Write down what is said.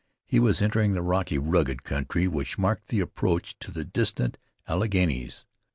He was entering the rocky, rugged country which marked the approach to the distant Alleghenies.